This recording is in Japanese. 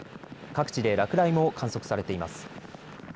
各地で落雷も観測されています。